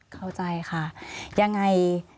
เข้าใจค่ะยังไง